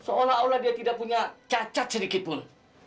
seolah olah dia tidak punya cacat sedikitpun